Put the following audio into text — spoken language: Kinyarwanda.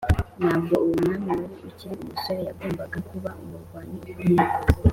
ntabwo uwo mwami wari ukiri umusore yagombaga kuba umurwanyi ukomeye ,